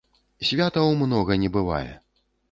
Святаў многа не бывае!